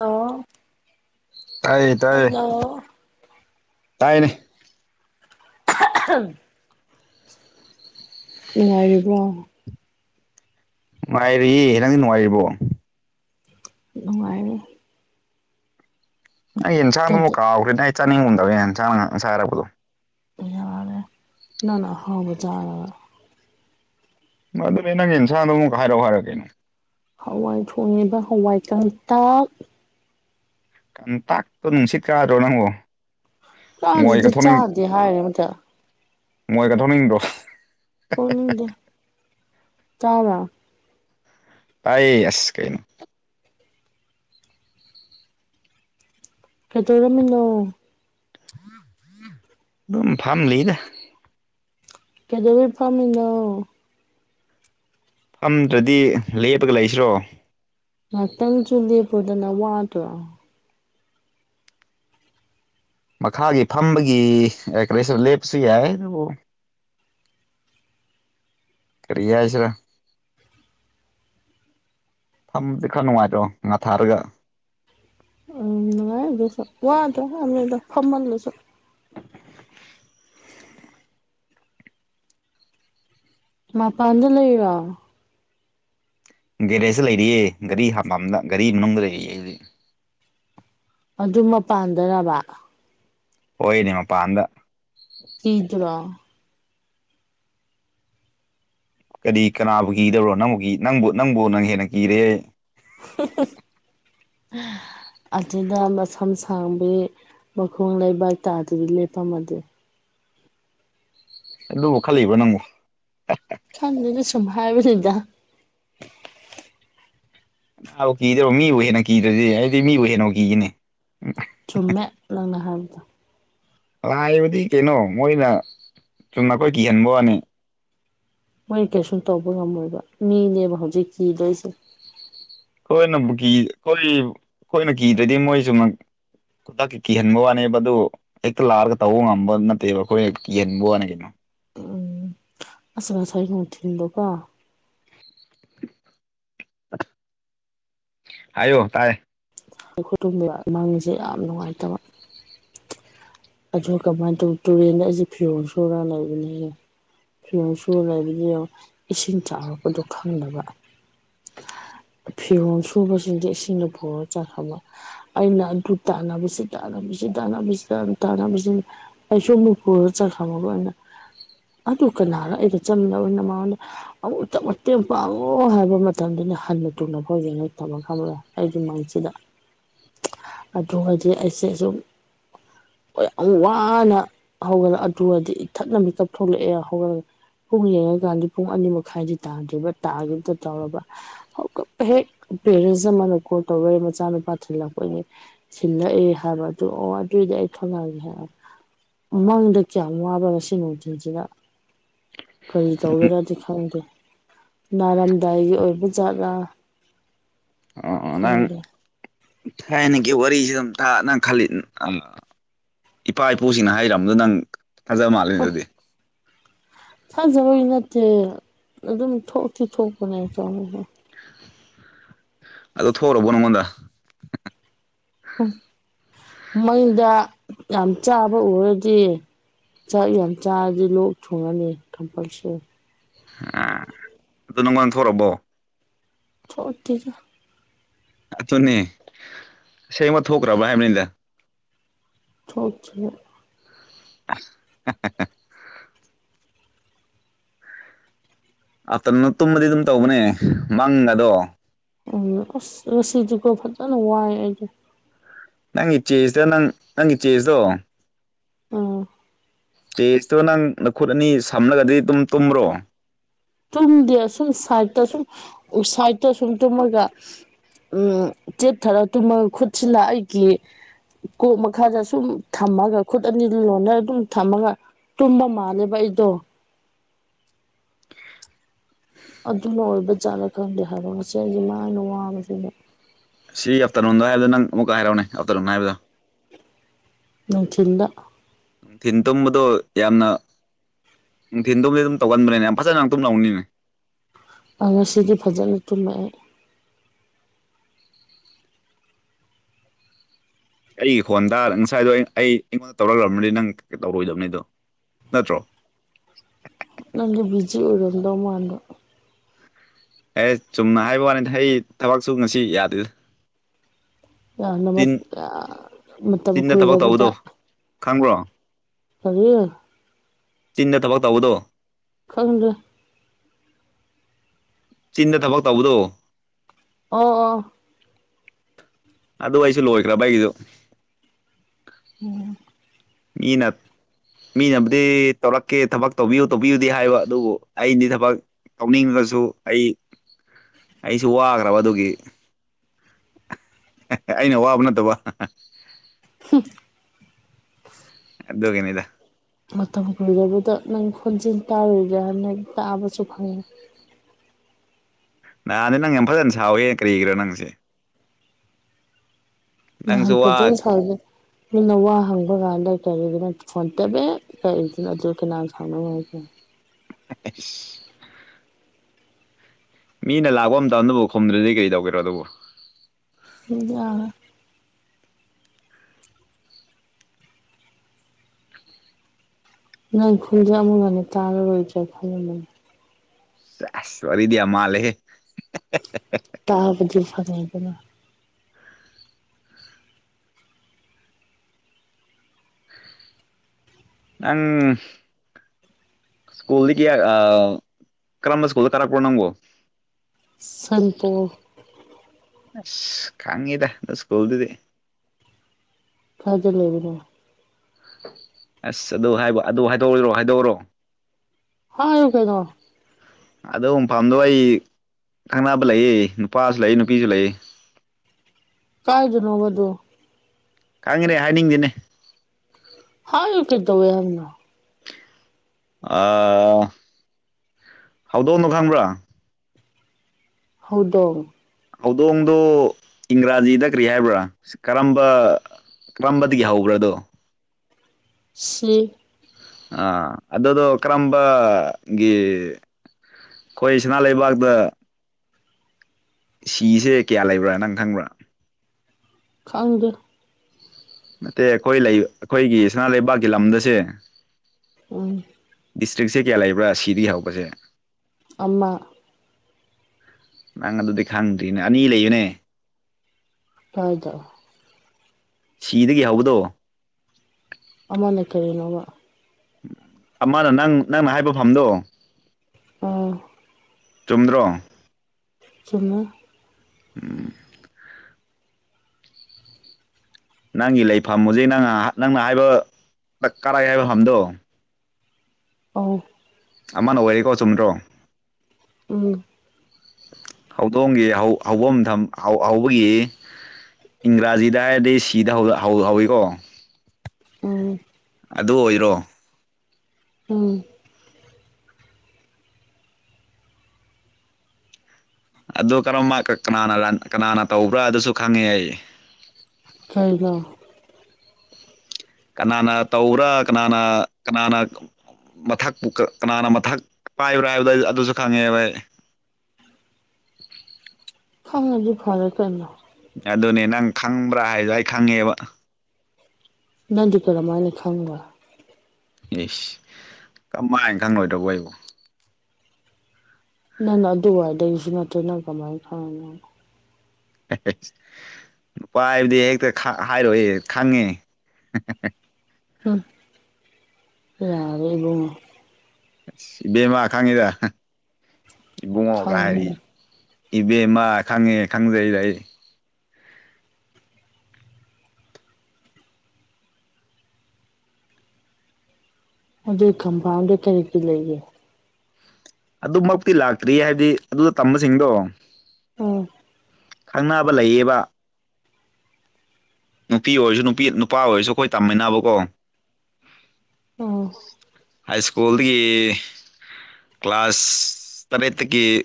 ꯑꯣ ꯇꯥꯏꯌꯦ ꯇꯥꯏꯌꯦ ꯍꯜꯂꯣ ꯇꯥꯏꯅꯦ [unintelligible] ꯅꯨꯡꯉꯥꯏꯔꯤꯕ꯭ꯔꯣ ꯅꯨꯡꯉꯥꯏꯔꯤꯌꯦ ꯅꯪꯗꯤ ꯅꯨꯡꯉꯥꯏꯔꯤꯕꯣ ꯅꯨꯡꯉꯥꯏꯔꯤ ꯅꯪ ꯌꯦꯟꯁꯥꯡꯗꯣ ꯀꯗꯤ ꯀꯥꯎꯈ꯭ꯔꯦꯅꯦ ꯑꯩ ꯆꯥꯅꯤꯡꯉꯝ [unintelligible] ꯍꯥꯏꯔꯛꯄꯗꯣ ꯌꯥꯔꯦ ꯅꯪꯅ ꯑꯍꯥꯎꯕ ꯆꯥꯔꯒ ꯑꯗꯨꯅꯦ ꯅꯪ ꯏꯟꯁꯥꯡꯗꯣ ꯑꯃꯨꯛ ꯍꯥꯏꯔꯛꯑꯣ ꯍꯥꯏꯔ ꯀꯩꯅꯣ ꯍꯋꯥꯏ ꯊꯣꯡꯉꯤꯗ ꯍꯋꯥꯏ ꯀꯪꯇꯥꯛ ꯀꯟꯇꯥꯛꯇꯨ ꯅꯨꯡꯁꯤꯠ ꯀꯥꯗ꯭ꯔꯣ ꯅꯪꯕꯣ ꯃꯣꯏꯒ ꯀꯥꯗꯦꯗ ꯊꯣꯛꯅꯤꯡ ꯆꯥꯗꯦ ꯍꯥꯏꯔ ꯃꯇꯥ ꯃꯣꯏꯒ ꯊꯣꯛꯅꯤꯡꯗ꯭ꯔꯣ ꯊꯣꯛꯅꯤꯡꯗꯦ [unintelligible] ꯇꯥꯏ ꯑꯁ ꯀꯩꯩꯅꯣ ꯀꯩꯗꯧꯔꯝꯃꯤꯅꯣ ꯑꯗꯨꯝ ꯐꯝꯃꯤꯗ ꯀꯩꯗꯧꯕꯩ ꯐꯝꯃꯤꯅꯣ ꯐꯝꯗ꯭ꯔꯗꯤ ꯂꯦꯞꯄꯒ ꯂꯩꯁꯤꯔꯣ ꯉꯥꯛꯇꯪꯁꯨ ꯂꯦꯞꯄꯣꯗꯅ ꯋꯥꯗ꯭ꯔꯣ ꯃꯈꯥꯒꯤ ꯐꯝꯕꯒꯤ ꯑꯦꯒ꯭ꯔꯦꯁꯁꯨ ꯂꯦꯞꯄꯁꯨ ꯌꯥꯏ ꯑꯗꯨꯕꯨ ꯀꯔꯤ ꯍꯥꯏꯁꯤꯔ ꯐꯝꯃꯗꯤ ꯈꯔ ꯅꯨꯡꯉꯥꯏꯇ꯭ꯔꯣ ꯉꯥ ꯊꯥꯔꯒ ꯎꯝ ꯅꯨꯡꯉꯥꯏ ꯑꯗꯨꯁꯨ ꯋꯥꯗ꯭ꯔꯣ [unintelligible] ꯐꯝꯃꯜꯂꯁꯨ [inaudible] ꯃꯥꯄꯥꯟꯗ ꯂꯩꯔꯣ ꯒꯦꯔꯦꯖꯇ ꯂꯩꯔꯤꯌꯦ ꯒꯥꯔꯤ ꯍꯥꯄꯝꯗ ꯒꯥꯔꯤ ꯃꯅꯨꯡꯗ ꯂꯩꯔꯤꯌꯦ ꯑꯩ ꯍꯨꯖꯤꯛ ꯑꯗꯨ ꯃꯄꯥꯟ ꯗꯔꯕ ꯍꯣꯏꯅꯦ ꯃꯄꯥꯟꯗ ꯀꯤꯗ꯭ꯔꯣ ꯀꯔꯤ ꯀꯅꯥꯕꯨ ꯀꯤꯗꯧꯔꯣ ꯅꯪꯕꯨꯒꯤ ꯅꯪꯕꯨ ꯅꯪꯕꯨ ꯅꯪ ꯍꯦꯟꯅ ꯀꯤꯔꯦ [unintelligible] ꯑꯗꯨꯗ ꯃꯁꯝ ꯁꯥꯡꯕꯤ ꯃꯈꯣꯡ ꯂꯩꯕꯛ ꯇꯥꯥꯗꯗꯤ ꯂꯦꯞꯄꯝꯃꯗꯤ ꯑꯗꯨ ꯋꯥꯈꯜ ꯂꯩꯕꯔꯣ ꯅꯪꯕꯣ ꯈꯪꯗꯦꯗ ꯁꯨꯝ ꯍꯥ ꯍꯥꯏꯕ ꯅꯦꯗ ꯑꯥꯎ ꯀꯤꯗ꯭ꯔꯣ ꯃꯤꯕꯨ ꯍꯦꯟꯅ ꯀꯤꯗ꯭ꯔꯗꯤ ꯑꯩꯗꯤ ꯃꯤꯕꯨ ꯍꯦꯟꯅ ꯀꯤꯌꯦꯅꯦ ꯆꯨꯝꯃꯦ ꯅꯪꯅ ꯍꯥꯏꯕꯗꯣ ꯂꯥꯏꯕꯗꯤ ꯀꯩꯅꯣ ꯃꯣꯏꯅ ꯆꯨꯝꯅ ꯈꯣꯏ ꯀꯤꯍꯟ ꯋꯥꯅꯦ ꯃꯣꯏ ꯀꯩꯁꯨꯝ ꯇꯧꯕ ꯉꯝꯃꯣꯏꯕ ꯃꯤꯅꯦꯕ ꯍꯧꯖꯤꯛ ꯀꯤꯗꯣꯏꯁꯦ ꯑꯩꯈꯣꯏꯅꯕꯨ ꯀꯤ ꯑꯩꯈꯣꯏ ꯑꯩꯈꯣꯏꯅ ꯀꯤꯗ꯭ꯔꯗꯤ ꯃꯣꯏꯖꯨ ꯃꯥ ꯇꯛꯀꯤ ꯀꯤꯍꯟꯕ ꯋꯥꯅꯦꯕ ꯗꯨ ꯍꯦꯛꯇ ꯂꯥꯛꯑꯒ ꯇꯧꯕ ꯉꯝꯕ ꯅꯠꯇꯦꯕ ꯑꯩꯈꯣꯏ ꯀꯤꯍꯟꯕ ꯋꯥꯅꯦ ꯀꯩꯅꯣ ꯑꯁ ꯉꯁꯥꯏ ꯅꯨꯡꯊꯤꯟꯗ ꯀꯣ ꯍꯥꯏꯌꯣ ꯇꯥꯏ [unintelligible] ꯌꯥꯝ ꯅꯨꯡꯉꯥꯏꯇꯕ ꯑꯗꯨꯒ ꯀꯃꯥꯏ ꯇꯧ ꯇꯨꯔꯦꯟꯗ ꯑꯩꯁꯦ ꯐꯤꯔꯣꯜ ꯁꯨꯔ ꯂꯩꯕꯅꯦ ꯐꯤꯔꯣꯟ ꯁꯨꯔꯒ ꯂꯩꯕꯅꯦ ꯏꯁꯤꯡ ꯆꯥꯎꯔꯛꯄꯗꯣ ꯈꯪꯗꯕ [inaudible] ꯐꯤꯔꯣꯝ ꯁꯨꯕꯁꯤꯡꯁꯦ ꯏꯁꯤꯡꯅ ꯄꯣꯔꯒ ꯆꯥꯈ꯭ꯔꯕ ꯑꯩꯅ ꯑꯗꯨ ꯇꯥꯟꯅꯕꯁꯤ ꯇꯥꯟꯅꯕꯁꯤ ꯇꯥꯟꯅꯕꯁꯤꯗ ꯇꯥꯟꯅꯕꯁꯤ ꯑꯩꯁꯨ ꯃꯨꯛ ꯄꯨꯔ ꯆꯠꯈ꯭ꯔꯕ ꯃꯥꯅ ꯑꯗꯨ ꯀꯅꯥꯔ ꯑꯩꯒ ꯆꯠꯃꯤꯟꯅꯕ ꯅꯃꯟ ꯑꯃꯨꯛꯇꯪ ꯃꯇꯦꯡ ꯄꯥꯡꯉꯣ ꯍꯥꯏꯕ ꯃꯇꯝꯗꯨꯅ ꯍꯟꯅ ꯊꯨꯡꯅ ꯐꯥꯎ ꯌꯦꯡꯉꯛꯇꯕ ꯈꯪꯕꯔꯥ ꯑꯩꯒꯤ ꯃꯪꯁꯦ ꯁꯤꯗ ꯑꯗꯔꯣ ꯑꯩꯁꯦ ꯁꯨꯝ ꯌꯥꯝ ꯋꯥꯅ ꯍꯧꯒꯠꯂ ꯑꯗꯨꯔꯗꯤ ꯏꯊꯟꯅ ꯃꯤꯀꯞ ꯊꯣꯛꯂꯛꯑꯦ ꯍꯧꯒꯠꯂ ꯄꯨꯡ ꯌꯦꯡꯉꯀꯥꯟꯗꯤ ꯄꯨꯡ ꯑꯅꯤ ꯃꯈꯥꯏꯗꯤ ꯇꯥꯗ꯭ꯦꯔꯤꯕ ꯇꯥꯒꯦꯗꯤ ꯇꯧꯔꯕ ꯍꯧꯒꯠꯄ ꯍꯦꯛ ꯄꯦꯔꯦꯟꯁ ꯑꯃꯅ ꯀꯣꯜ ꯇꯧꯔꯛꯑꯦꯕ ꯃꯆꯥꯅꯨꯄꯥ ꯊꯤꯜꯂꯛꯄꯅꯦ ꯊꯤꯜꯂꯛꯑꯦ ꯍꯥꯏꯕ ꯑꯗꯨ ꯑꯣ ꯑꯗꯨꯏꯗꯤ ꯑꯩ ꯊꯣꯂꯛꯑꯒꯦ ꯍꯥꯏ ꯃꯃꯥꯡꯗ ꯀꯌꯥꯝ ꯋꯥꯕ ꯉꯁꯤ ꯅꯪꯡꯊꯤꯟꯁꯤꯗ ꯀꯔꯤ ꯇꯧꯒꯦꯔꯗꯤ ꯈꯪꯗꯦ ꯅꯥꯔꯝꯗꯥꯏꯒꯤ ꯑꯣꯏꯕ ꯖꯥꯠꯂꯥ ꯑꯣ ꯑꯣ ꯅꯪ ꯈꯪꯗꯦ ꯊꯥꯏꯅꯒꯤ ꯋꯥꯔꯤꯁꯤꯗꯝ ꯇꯥ ꯅꯪ ꯈꯜꯂꯤ ꯑꯥ ꯏꯄꯥ ꯏꯄꯨꯁꯤꯡꯅ ꯍꯥꯏꯔꯝꯗꯣ ꯅꯪ ꯊꯥꯖ ꯃꯥꯜꯂꯦ ꯑꯗꯨꯗꯤ ꯊꯥꯖꯕꯒꯤ ꯅꯠꯇꯦ ꯑꯗꯨꯝ ꯊꯣꯛꯇꯤ ꯊꯣꯛꯄꯅꯦ ꯑꯗꯣ ꯊꯣꯑꯨꯔꯕ ꯅꯪꯉꯣꯟꯗ ꯃꯪꯗ ꯌꯥꯝ ꯆꯥꯕ ꯎꯔꯗꯤ ꯆꯥꯛ ꯌꯥꯝ ꯆꯥꯔꯗꯤ ꯂꯣꯛ ꯊꯣꯡꯉꯅꯤ ꯀꯝꯄꯜꯁꯔꯤ ꯑꯗꯨ ꯅꯉꯣꯟ ꯊꯣꯔꯕꯣ ꯊꯣꯛꯇꯤꯗ ꯑꯗꯨꯅꯦ ꯑꯁꯦꯡꯕ ꯊꯣꯛꯈ꯭ꯔꯕ꯭ꯔ ꯍꯥꯏꯕꯅꯤꯗ ꯊꯣꯛꯇꯔꯤ ꯑꯁ [unintelligible] ꯑꯥꯇꯝꯅ ꯇꯨꯝꯃꯗꯤ ꯑꯗꯨꯝ ꯇꯧꯕꯅꯦ ꯃꯪꯒꯗꯣ ꯎꯝ ꯑꯁ ꯉꯁꯤꯗꯤꯀꯣ ꯐꯖꯅ ꯋꯥꯔꯦ ꯑꯩꯗꯤ ꯅꯪꯒꯤ ꯆꯦꯖꯇ ꯅꯪ ꯅꯪꯒꯤ ꯆꯦꯖꯇꯣ ꯎꯝ ꯆꯦꯖꯇꯣ ꯅꯪ ꯅꯈꯨꯠ ꯑꯅꯤ ꯁꯝꯂꯒꯗꯤ ꯗꯨꯝ ꯇꯨꯝꯕ꯭ꯔꯣ ꯇꯨꯝꯗꯦ ꯑꯁꯨꯝ ꯁꯥꯏꯠꯇ ꯁꯨꯝ ꯁꯥꯏꯠꯇ ꯁꯨꯝ ꯇꯨꯝꯃꯒ ꯎꯝ ꯆꯦꯞꯊꯔ ꯇꯨꯝꯃ ꯈꯨꯠꯁꯤꯂ ꯑꯩꯒꯤ ꯀꯣꯛ ꯃꯈꯥꯗ ꯁꯨꯝ ꯊꯝꯃꯒ ꯈꯨꯠ ꯑꯅꯤ ꯂꯣꯟꯅꯔ ꯑꯗꯨꯝ ꯊꯝꯃꯒ ꯇꯨꯝꯕ ꯃꯥꯜꯂꯦꯕ ꯑꯩꯗꯣ ꯑꯗꯨꯅ ꯑꯣꯏꯕ ꯖꯥꯠꯂ ꯈꯪꯗꯦ ꯍꯥꯏꯕ ꯉꯁꯤ ꯑꯩꯒꯤ ꯃꯥꯏꯅ ꯋꯥꯕꯁꯤꯡꯗꯣ ꯁꯤ ꯑꯞꯇꯔꯣꯟꯗꯥ ꯍꯥꯏꯕꯗꯣ ꯅꯪ ꯑꯃꯨꯛꯀ ꯍꯥꯏꯔꯛꯎꯅꯦ ꯑꯞꯇꯔꯣꯟ ꯍꯥꯏꯕꯗꯣ ꯅꯨꯡꯊꯤꯜꯗ ꯅꯨꯡꯊꯤꯟ ꯇꯨꯝꯕꯗꯣ ꯌꯥꯝꯅ ꯅꯨꯡꯊꯤꯟ ꯇꯨꯝꯕꯗꯤ ꯑꯗꯨꯝ ꯇꯧꯒꯟꯕꯅꯤꯅꯦ ꯌꯥꯝ ꯐꯖꯅ ꯇꯨꯝꯗꯧꯅꯤꯅꯦ ꯑꯥ ꯉꯁꯤꯗꯤ ꯐꯖꯅ ꯇꯨꯝꯃꯦ ꯑꯩ ꯑꯩꯒꯤ ꯍꯣꯟꯗꯥꯗ ꯉꯁꯥꯏꯗꯣ ꯑꯩ--ꯑꯩ ꯑꯩꯉꯣꯟꯗ ꯇꯧꯔꯛꯂꯝꯃꯗꯤ ꯅꯪ ꯇꯧꯔꯣꯏꯗꯕꯅꯤꯗꯣ ꯅꯠꯇ꯭ꯔꯣ ꯅꯪꯗꯣ ꯕꯤꯖꯤ ꯑꯣꯏꯔꯝꯗꯧ ꯃꯥꯟꯕ ꯑꯦ ꯆꯨꯝꯅ ꯍꯥꯏꯕ ꯋꯥꯅꯤꯗ ꯑꯩ ꯊꯕꯛꯁꯨ ꯉꯁꯤ ꯌꯥꯗꯦꯗ ꯌꯥꯝꯅ ꯃꯠ ꯆꯤꯟ ꯌꯥꯝ ꯃꯇꯝ ꯆꯤꯟꯗ ꯊꯕꯛ ꯀꯨꯏꯔꯕꯗ ꯇꯧꯕꯗꯣ ꯈꯪꯕ꯭ꯔꯣ ꯀꯔꯤ ꯆꯤꯟꯅ ꯊꯕꯛ ꯇꯧꯕꯗꯣ ꯈꯪꯗ꯭ꯔꯦ ꯆꯤꯟꯗ ꯊꯕꯛ ꯇꯧꯕꯗꯣ ꯑꯣ ꯑꯣ ꯑꯗꯨ ꯑꯩꯁꯨ ꯂꯣꯏꯈ꯭ꯔꯕ ꯑꯩꯒꯤꯖꯨ ꯎꯝ ꯃꯤꯅꯞ ꯃꯤꯅꯕꯨꯗꯤ ꯇꯧꯔꯛꯀꯦ ꯊꯕꯛ ꯇꯧꯕꯤꯌꯨ ꯇꯧꯕꯤꯌꯨꯗꯤ ꯍꯥꯏꯕ ꯑꯗꯨꯕꯨ ꯑꯩꯗꯤ ꯊꯕꯛ ꯇꯧꯅꯤꯡꯉꯒꯁꯨ ꯑꯩ ꯑꯩꯁꯨ ꯋꯥꯈ꯭ꯔꯕ ꯑꯗꯨꯒꯤ ꯑꯩꯅ ꯋꯥꯕ ꯅꯠꯇꯕ [unintelligible] ꯍꯨ [inaudible] ꯑꯗꯨꯒꯤꯅꯤꯗ ꯃꯇꯝ ꯀꯨꯏꯔꯕꯗ ꯅꯪ ꯈꯣꯟꯖꯦꯜ ꯇꯥꯔꯨꯗ꯭ꯔꯥꯝꯅꯦ ꯇꯥꯕꯁꯨ ꯐꯪꯉꯦ ꯅꯍꯥꯟꯗꯤ ꯅꯪ ꯌꯥꯝ ꯐꯖꯅ ꯁꯥꯎꯋꯦ ꯀꯔꯤꯒꯤꯔ ꯅꯪꯁꯦ ꯅꯪꯁꯨ ꯅꯍꯥꯟ ꯋꯥ ꯐꯖꯅ ꯁꯥꯎꯋꯤꯗꯣ ꯃꯤꯅ ꯋꯥ ꯍꯪꯕ ꯀꯥꯟꯗ ꯀꯔꯤꯒꯤꯅꯣ ꯐꯣꯟ ꯄꯦꯕꯦꯠ ꯇꯧꯔꯤꯗꯨꯅ ꯑꯗꯨ ꯀꯅꯥꯅ ꯁꯥꯎꯅꯤꯡꯉꯣꯏꯗꯣꯏ ꯑꯦꯁ ꯃꯤꯅ ꯂꯥꯎꯕ ꯃꯇꯝꯗꯨꯕꯨ ꯈꯨꯝꯗ꯭ꯔꯗꯤ ꯀꯔꯤ ꯇꯧꯒꯦꯔꯣ ꯑꯗꯨꯕꯨ [unintelligible] ꯅꯪ ꯈꯣꯟꯖꯦꯜ ꯑꯃꯨꯛ ꯍꯟꯅ ꯇꯥꯔꯔꯣꯏꯗ꯭ꯔꯥ ꯈꯜꯂꯝꯕꯅꯤ ꯁꯦꯁ ꯋꯥꯔꯤꯗꯤ ꯌꯥꯝ ꯃꯥꯜꯂꯦꯍꯦ [unintelligible] ꯇꯥꯕꯗꯤ ꯐꯪꯉꯦꯗꯅ ꯅꯪ ꯁ꯭ꯀꯨꯜꯗꯒꯤ ꯑꯥ ꯀꯔꯝꯕ ꯁ꯭ꯀꯨꯜꯗ ꯀꯥꯔꯛꯄ꯭ꯔꯣ ꯅꯪꯕꯣ ꯁꯟꯄꯣꯔ ꯑꯁ ꯈꯪꯉꯤꯗ ꯗꯨ ꯁ꯭ꯀꯨꯜꯗꯨꯗꯤ ꯀꯥꯏꯗ ꯂꯩꯕꯅꯣ ꯑꯁ ꯑꯗꯨ ꯍꯥꯏꯕꯨ ꯑꯗꯨ ꯍꯥꯏꯗꯣꯛꯎꯔꯣ ꯍꯥꯏꯗꯣꯛꯎꯔꯣ ꯍꯥꯏꯌꯣ ꯀꯩꯅꯣ ꯑꯗꯣ ꯃꯐꯥꯝꯗꯣ ꯑꯩ ꯈꯪꯅꯕ ꯂꯩꯌꯦ ꯅꯨꯄꯥꯁꯨ ꯂꯩ ꯅꯨꯄꯤꯁꯨ ꯂꯩꯌꯦ ꯀꯥꯏꯗ ꯅꯣꯕꯗꯣ ꯈꯪꯉꯦꯅꯦ ꯍꯥꯏꯅꯤꯡꯗꯦꯅꯦ ꯍꯥꯏꯌꯨ ꯀꯩꯗꯧꯋꯦ ꯍꯥꯏꯕꯅꯣ ꯑꯥ ꯍꯧꯗꯣꯡꯅꯣ ꯈꯪꯕ꯭ꯔꯥ ꯍꯧꯗꯣꯡ ꯍꯧꯗꯣꯡꯗꯣ ꯏꯪꯒ꯭ꯔꯥꯖꯤꯗ ꯀꯔꯤ ꯍꯥꯏꯕ꯭ꯔꯥ ꯀꯔꯝꯕ ꯀꯔꯝꯕꯗꯒꯤ ꯍꯧꯕ꯭ꯔꯗꯣ ꯁꯤ ꯑꯥ ꯑꯗꯨꯗꯣ ꯀꯔꯝꯕ ꯒꯤ ꯈꯣꯏ ꯁꯅꯥ ꯂꯩꯕꯥꯛꯇ ꯁꯤꯁꯦ ꯀꯌꯥ ꯂꯩꯕ꯭ꯔꯥ ꯅꯪ ꯈꯪꯕ꯭ꯔꯥ ꯈꯪꯗꯦ ꯅꯠꯇꯦ ꯑꯩꯈꯣꯏ ꯂꯩ ꯑꯩꯈꯣꯏꯒꯤ ꯏꯅꯥ ꯂꯩꯕꯥꯛꯀꯤ ꯂꯝꯗꯁꯦ ꯎꯝ ꯗꯤꯁꯇ꯭ꯔꯤꯛꯁꯦ ꯀꯌꯥ ꯂꯩꯕ꯭ꯔꯥ ꯁꯤꯗꯒꯤ ꯍꯧꯕꯁꯦ ꯑꯃ ꯅꯪ ꯑꯗꯨꯗꯤ ꯈꯪꯗ꯭ꯔꯤꯅ ꯑꯅꯤ ꯂꯩꯌꯦꯅꯦ [unintelligible] ꯁꯤꯗꯒꯤ ꯍꯧꯕꯗꯣ ꯑꯃꯅ ꯀꯩꯅꯣꯕ ꯑꯃꯅ ꯅꯪ ꯅꯪꯅ ꯍꯥꯏꯕ ꯐꯝꯗꯣ ꯑꯝ ꯆꯨꯝꯗ꯭ꯔꯣ ꯆꯨꯝꯃꯦ ꯎꯝ ꯅꯪꯒꯤ ꯂꯩꯐꯝ ꯍꯧꯖꯤꯛ ꯅꯪ [unintelligible] ꯅꯪꯅ ꯍꯥꯏꯕ [unintelligible] ꯀꯔꯛꯑꯦ ꯍꯥꯏꯕꯐꯝꯗꯣ ꯑꯎ ꯑꯃꯅ ꯑꯣꯏꯔꯤꯀꯣ ꯆꯨꯝꯗ꯭ꯔꯣ ꯎꯝ ꯍꯧꯗꯣꯡꯒꯤ ꯍꯧ ꯍꯧꯕꯝꯊꯝꯍꯧ ꯍꯧꯕꯒꯤ ꯏꯪꯒ꯭ꯔꯥꯖꯤꯗ ꯍꯥꯏꯔꯗꯤ ꯁꯤꯗ ꯍꯧ ꯍꯧꯋꯤꯀꯣ ꯎꯝ ꯑꯗꯨ ꯑꯣꯏꯔꯣ ꯎꯝ ꯑꯗꯨ ꯀꯔꯝꯃ ꯀ ꯀꯅꯥꯅ ꯂꯥꯟ ꯀꯅꯥꯅ ꯇꯧꯕ꯭ꯔꯥ ꯑꯗꯨꯁꯨ ꯈꯪꯉꯦ ꯑꯩ ꯀꯩꯅꯣ ꯀꯅꯥꯅ ꯇꯧꯕꯔꯥ ꯀꯅꯥꯅ ꯀꯅꯥꯅ ꯃꯊꯛꯄꯨ ꯀ ꯀꯅꯥꯅ ꯃꯊꯛ ꯄꯥꯏꯕ꯭ꯔꯥ ꯍꯥꯢꯕꯗꯣ [unintelligible] ꯑꯗꯨꯖꯨ ꯈꯪꯉꯦꯕ ꯑꯩ ꯈꯪꯉꯗꯤ ꯐꯔꯦ ꯀꯩꯅꯣ ꯑꯗꯨꯅꯦ ꯅꯪ ꯈꯪꯕ꯭ꯔꯥ ꯍꯥꯏꯗꯨ ꯑꯩ ꯈꯪꯉꯦꯕ ꯅꯪꯗꯤ ꯀꯔꯝ ꯃꯥꯥꯏꯅ ꯈꯪꯕ ꯏꯁ ꯀꯃꯥꯏꯅ ꯈꯪꯂꯣꯏꯗꯧꯕ ꯑꯩꯕꯣ ꯅꯪ ꯅ ꯑꯗꯨꯋꯥꯏꯗꯁꯨ ꯅꯠꯇꯦ ꯅꯪ ꯀꯃꯥꯏꯟ ꯈꯪꯉꯤꯅꯣ [unintelligible] ꯅꯨꯄꯥ ꯍꯥꯏꯕꯗꯤ ꯍꯦꯛꯇ ꯈꯥ ꯍꯥꯏꯔꯣꯏꯌꯦ ꯈꯪꯉꯦ [unintelligible] ꯍꯝ ꯌꯥꯔꯦ ꯏꯕꯨꯨꯡꯉꯣ ꯏꯁ ꯏꯕꯦꯝꯃꯥ ꯈꯪꯉꯤꯗ ꯏꯕꯨꯡꯉꯣꯒ ꯍꯥꯏꯔꯤ ꯈꯪꯉꯝꯅꯤ ꯏꯕꯦꯝꯃ ꯈꯪꯉꯦ ꯈꯪꯖꯩꯗ ꯑꯩ ꯑꯗꯨ ꯀꯝꯄꯥꯎꯟꯗ ꯀꯔꯤꯒꯤ ꯂꯩꯔꯤ ꯑꯗꯨꯃꯛꯇꯤ ꯂꯥꯛꯇ꯭ꯔꯤ ꯍꯥꯢꯕꯗꯤ ꯑꯗꯨꯗ ꯇꯝꯕꯁꯤꯡꯗꯣ ꯎꯝ ꯈꯪꯅꯕ ꯂꯩꯌꯦꯕ ꯅꯨꯄꯤ ꯑꯣꯢꯔꯖꯨ ꯅꯨꯄꯤ ꯅꯨꯄꯥ ꯑꯣꯢꯔꯁꯨ ꯑꯈꯣꯢ ꯇꯝꯃꯤꯟꯅꯕꯀꯣ ꯎꯝ ꯍꯥꯢ ꯁ꯭ꯀꯨꯜꯗꯒꯤ ꯀ꯭ꯂꯥꯁ ꯇꯔꯦꯠꯇꯒꯤ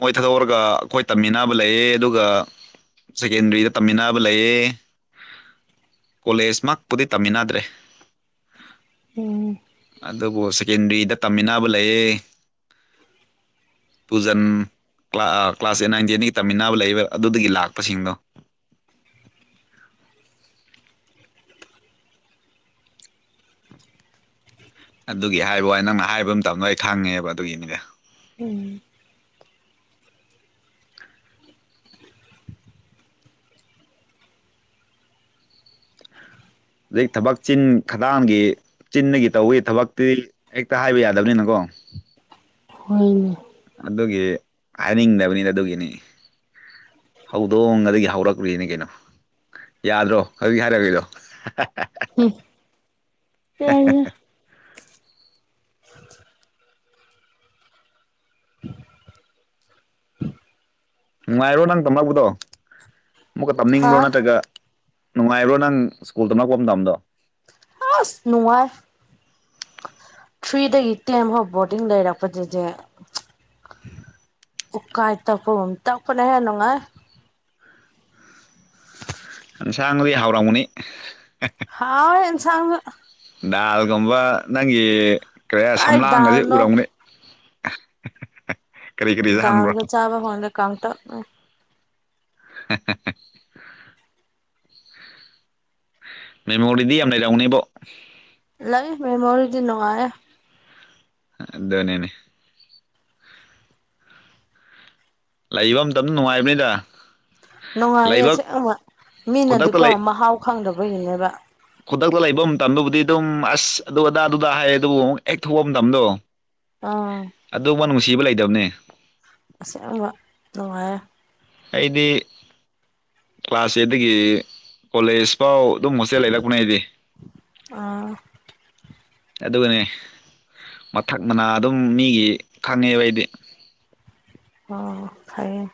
ꯃꯣꯢ ꯊꯥꯗꯣꯛꯔꯒ ꯑꯈꯣꯢ ꯇꯝꯃꯤꯟꯅꯕ ꯂꯩꯌꯦ ꯑꯗꯨꯒ ꯁꯦꯀꯦꯟꯗ꯭ꯔꯤꯗ ꯇꯝꯃꯤꯟꯅꯕ ꯂꯩꯌꯦ ꯀꯣꯂꯦꯖ ꯃꯛꯄꯨꯗꯤ ꯇꯝꯃꯤꯟꯅꯗ꯭ꯔꯦ ꯎꯝ ꯑꯗꯨꯕꯨ ꯁꯦꯀꯦꯟꯗ꯭ꯔꯤꯗ ꯇꯝꯃꯤꯟꯅꯕ ꯂꯩꯌꯦ ꯄꯨꯖꯟ ꯀ꯭ꯂꯥ ꯑ ꯀ꯭ꯂꯥꯁ ꯑꯦꯠ ꯅꯥꯏꯟ ꯇꯦꯟꯗꯒꯤ ꯇꯝꯃꯤꯟꯅꯕ ꯂꯩꯌꯦꯕ ꯑꯗꯨꯗꯒꯤ ꯂꯥꯛꯄꯁꯤꯡꯗꯣ ꯑꯗꯨꯒꯤ ꯍꯥꯢꯕꯋꯥꯅꯤ ꯅꯪꯅ ꯍꯥꯢꯕ ꯃꯇꯝꯗꯣ ꯑꯩ ꯈꯪꯉꯦꯕ ꯑꯗꯨꯒꯤꯅꯤꯗ ꯎꯝ ꯖꯤꯛ ꯊꯕꯛ ꯆꯤꯟ ꯈꯗꯥꯡꯒꯤ ꯆꯤꯟꯗꯒꯤ ꯇꯧꯋꯤ ꯊꯕꯛꯇꯤ ꯍꯦꯛꯇ ꯍꯥꯢꯕ ꯌꯥꯗꯕꯅꯤꯅꯀꯣ ꯍꯣꯢꯅꯦ ꯑꯗꯨꯒꯤ ꯍꯥꯢꯅꯤꯡꯗꯕꯅꯤꯗ ꯑꯗꯨꯒꯤꯅꯤ ꯍꯧꯗꯣꯡꯉꯗꯒꯤ ꯍꯧꯔꯛꯂꯤꯅꯤ ꯀꯩꯅꯣ ꯌꯥꯗ꯭ꯔꯣ ꯍꯧꯖꯤꯛ ꯍꯥꯢꯔꯛꯔꯤꯗꯣ [unintelligible] ꯍꯝ [unintelligible] ꯅꯨꯡꯉꯥꯢꯔꯣ ꯅꯪ ꯇꯝꯃꯛꯄꯗꯣ ꯑꯃꯨꯛꯀ ꯍꯥ ꯇꯝꯅꯤꯡꯕ꯭ꯔꯣ ꯅꯠꯇ꯭ꯔꯒ ꯅꯨꯡꯉꯥꯢꯕ꯭ꯔꯣ ꯅꯪ ꯁ꯭ꯀꯨꯜ ꯇꯝꯔꯛꯄ ꯃꯇꯝꯗꯣ ꯑꯁ ꯅꯨꯡꯉꯥꯢ ꯊ꯭ꯔꯤꯗꯒꯤ ꯇꯦꯟ ꯐꯥꯎ ꯕꯣꯔꯗꯤꯡ ꯂꯩꯔꯛꯄꯗꯨꯗꯤ [inaudible] ꯎꯀꯥꯢ ꯇꯛꯄꯒꯨꯝ ꯇꯛꯄꯅꯦꯍꯦ ꯅꯨꯡꯉꯥꯢ ꯏꯟꯁꯥꯡꯗꯤ ꯍꯥꯎꯔꯝꯒꯅꯤ [unintelligible] ꯍꯥꯎꯋꯦ ꯑꯦꯟꯁꯥꯡꯂ ꯗꯥꯜꯒꯨꯝꯕ ꯅꯪꯒꯤ ꯀꯔꯤꯔꯥ ꯀꯥꯏ ꯁꯝꯂꯥꯡꯒꯖꯦ ꯗꯥꯜꯅꯣ ꯎꯔꯝꯒꯅꯤ ꯀꯔꯤ ꯀꯔꯤ ꯆꯥꯍꯟꯕ꯭ꯔꯣ ꯗꯥꯜꯒ ꯆꯥꯕ ꯃꯥꯜꯂꯦ ꯀꯥꯡꯇꯛꯅꯦ [unintelligible] ꯃꯦꯃꯣꯔꯤꯗꯤ ꯌꯥꯝ ꯂꯩꯔꯝꯒꯅꯤꯕꯣ ꯂꯩ ꯃꯦꯃꯣꯔꯤꯗꯤ ꯅꯨꯡꯉꯥꯢꯌꯦ ꯑꯗꯨꯅꯤꯅꯦ ꯂꯩꯕ ꯃꯇꯝꯗ ꯅꯨꯡꯉꯥꯏꯕꯅꯤꯗ ꯅꯨꯡꯉꯥꯏꯌꯦ ꯂꯥꯏꯕꯛ ꯑꯁꯦꯡꯕ ꯈꯨꯗꯛꯇ ꯃꯤꯅꯗꯤꯀꯣ ꯂꯩ ꯃꯍꯥꯎ ꯈꯪꯗꯕꯒꯤꯅꯦꯕ ꯈꯨꯗꯛꯇ ꯂꯩꯕ ꯃꯇꯝꯗꯕꯨꯗꯤ ꯑꯗꯨꯝ ꯑꯁ ꯑꯗꯨ ꯑꯗꯥ ꯑꯗꯨ ꯑꯗꯥ ꯍꯥꯏꯌꯦ ꯑꯗꯨꯕꯨ ꯍꯦꯛ ꯊꯣꯛꯄ ꯃꯇꯝꯗꯣ ꯑꯥ ꯑꯗꯣꯞꯕ ꯅꯨꯡꯁꯤꯕ ꯂꯩꯇꯝꯅꯦ ꯑꯁꯦꯡꯕ ꯅꯨꯡꯉꯥꯏꯌꯦ ꯑꯩꯗꯤ ꯀ꯭ꯂꯥꯁ ꯑꯦꯠꯗꯒꯤ ꯀꯣꯂꯦꯖ ꯐꯥꯎ ꯑꯗꯨꯝ ꯍꯣꯁꯇꯦꯜ ꯂꯩꯔꯛꯄꯅꯦ ꯑꯩꯗꯤ ꯑꯥ ꯑꯗꯨꯒꯅꯦ ꯃꯊꯛ ꯃꯅꯥ ꯑꯗꯨꯝ ꯃꯤꯒꯤ ꯈꯪꯉꯦꯕ ꯑꯩꯗꯤ ꯑꯣ ꯐꯩꯌꯦ